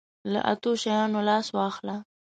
له اتو شیانو لاس واخله.